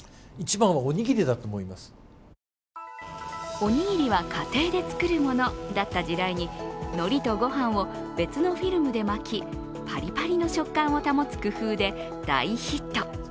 おにぎりは家庭で作るものだった時代に、のりとご飯を別のフィルムで巻きパリパリの食感を保つ工夫で大ヒット。